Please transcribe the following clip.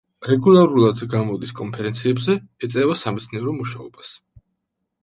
რეგულარულად გამოდის კონფერენციებზე, ეწევა სამეცნიერო მუშაობას.